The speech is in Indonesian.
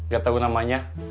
gak tau namanya